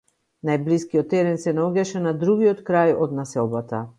Најблискиот терен се наоѓаше на другиот крај од населбата.